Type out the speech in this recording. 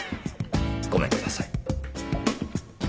ごめんください。